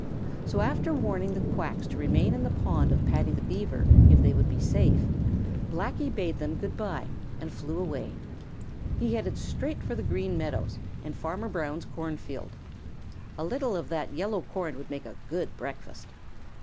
So after warning the Quacks to remain in the pond of Paddy the Beaver if they would be safe, Blacky bade them good by and flew away. He headed straight for the Green Meadows and Farmer Brown's cornfield. A little of that yellow corn would make a good breakfast.